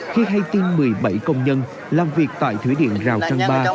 khi hay tin một mươi bảy công nhân làm việc tại thủy điện rào trang ba